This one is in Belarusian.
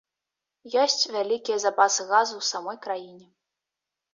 Ёсць вялікія запасы газу ў самой краіне.